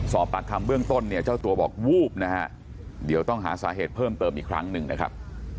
สอบปากคำเบื้องต้นเนี่ยเจ้าตัวบอกวูบนะฮะเดี๋ยวต้องหาสาเหตุเพิ่มเติมอีกครั้งหนึ่งนะครับ